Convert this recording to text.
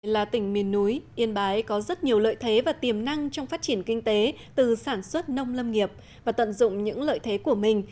là tỉnh miền núi yên bái có rất nhiều lợi thế và tiềm năng trong phát triển kinh tế từ sản xuất nông lâm nghiệp và tận dụng những lợi thế của mình